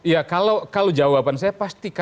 ya kalau jawaban saya pastikan